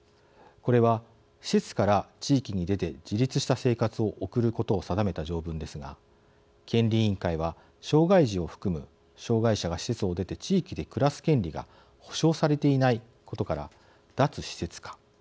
これは施設から地域に出て自立した生活を送ることを定めた条文ですが権利委員会は障害児を含む障害者が施設を出て地域で暮らす権利が保障されていないことから脱施設化。